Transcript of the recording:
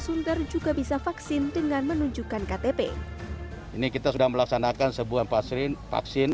sunter juga bisa vaksin dengan menunjukkan ktp ini kita sudah melaksanakan sebuah pasir vaksin